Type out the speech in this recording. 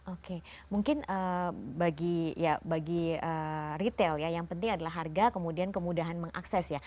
oke mungkin bagi retail ya yang penting adalah harga kemudian kemudahan mengakses ya